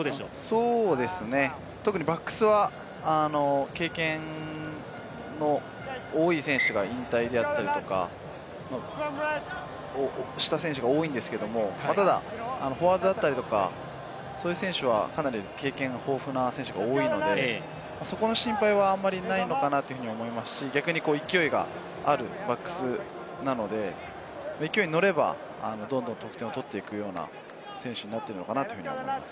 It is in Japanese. そうですね、特にバックスは経験の多い選手が引退をした選手が多いんですけど、ただフォワードだったりとか、そういう選手はかなり経験豊富な選手が多いので、そこの心配はあまりないのかなと思いますし、逆に勢いがあるバックスなので、勢いに乗ればどんどん得点を取っていくような選手になっているのかなと思います。